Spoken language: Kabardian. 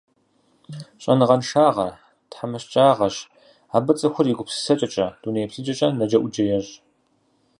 Щӏэныгъэншагъэр – тхьэмыщкӀагъэщ, абы цӀыхур и гупсысэкӀэкӀэ, дунейеплъыкӀэкӀэ нэджэӀуджэ ещӀ.